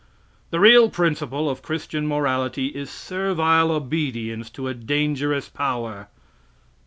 The real principle of Christian morality, is servile obedience to a dangerous Power!